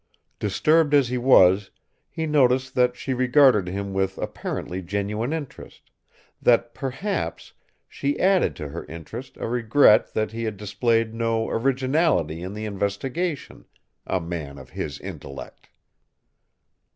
Disturbed as he was, he noticed that she regarded him with apparently genuine interest that, perhaps, she added to her interest a regret that he had displayed no originality in the investigation, a man of his intellect!